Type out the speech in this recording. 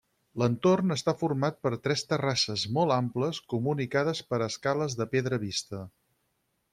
L’entorn està format per tres terrasses molt amples, comunicades per escales de pedra vista.